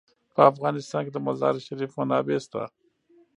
په افغانستان کې د مزارشریف منابع شته.